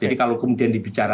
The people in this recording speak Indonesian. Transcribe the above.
jadi kalau kemudian dibicara